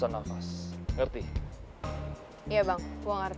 salaman from my bakar